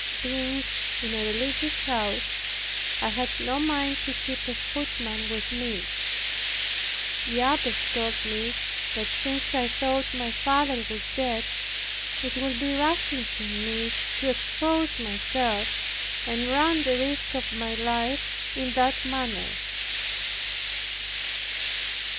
Being in a religious house, I had no mind to keep a footman with me. The abbess told me, that "since I thought my father was dead, it would be rashness in me to expose myself, and run the risk of my life in that manner.